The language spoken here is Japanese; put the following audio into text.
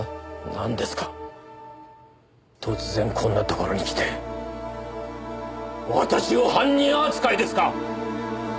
なんですか突然こんなところに来て私を犯人扱いですか！